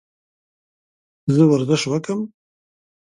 زه ورزش وکم؟